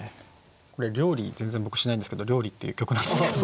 これ料理全然僕しないんですけど「料理」っていう曲なんですけど。